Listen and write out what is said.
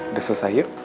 udah selesai yuk